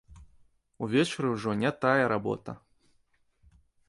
Увечары ўжо не тая работа.